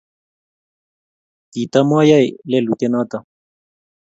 kitamayoe lelutienoto.